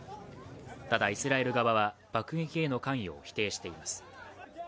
ただ、イスラエル側は爆撃への関与を否定しています。